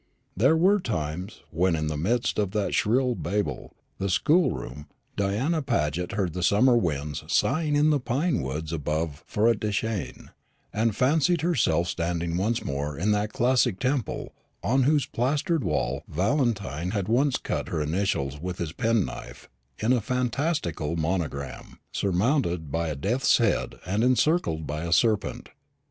There were times when, in the midst of that shrill Babel, the schoolroom, Diana Paget heard the summer winds sighing in the pine woods above Forêtdechêne, and fancied herself standing once more in that classic temple on whose plastered wall Valentine had once cut her initials with his penknife in a fantastical monogram, surmounted by a death's head and encircled by a serpent.